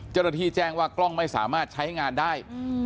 เจรฐีแจ้งว่ากล้องไม่สามารถใช้งานได้